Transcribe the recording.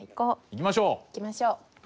行きましょう。